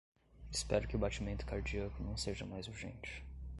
Espero que o batimento cardíaco não seja mais urgente.